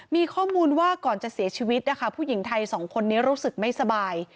มีข้อมูลว่าก่อนจะเสียชีวิตนะคะผู้หญิงไทยสองคนนี้รู้สึกไม่สบาย